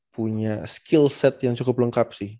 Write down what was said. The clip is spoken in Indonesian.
punya skill set yang cukup lengkap sih